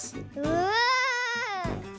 うわ。